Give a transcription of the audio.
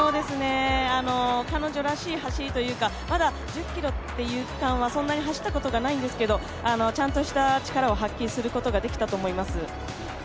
彼女らしい走りというか、１０ｋｍという区間はあまり走ったことがないんですけどちゃんとした力を発揮することができたと思います。